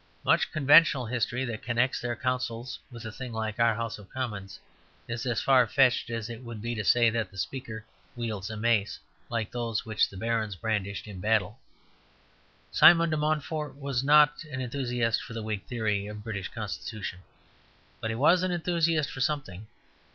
Much conventional history that connects their councils with a thing like our House of Commons is as far fetched as it would be to say that the Speaker wields a Mace like those which the barons brandished in battle. Simon de Montfort was not an enthusiast for the Whig theory of the British Constitution, but he was an enthusiast for something.